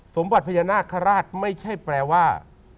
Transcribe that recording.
สมบัติพญานาคาราชไม่ใช่แปลว่า